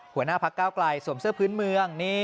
หัวหน้าพักเก้าไกลสวมเสื้อพื้นเมือง